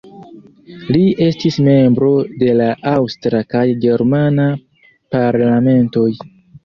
Li estis membro de la aŭstra kaj germana parlamentoj.